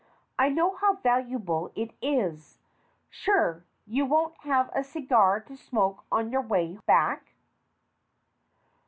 I know how valuable it is. Sure you won't have a cigar to smoke on your way back?